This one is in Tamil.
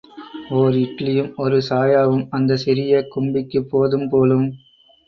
ஓர் இட்டிலியும் ஒரு சாயாவும் அந்த சிறிய கும்பிக்குப் போதும் போலும்!